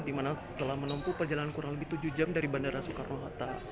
di mana setelah menempuh perjalanan kurang lebih tujuh jam dari bandara soekarno hatta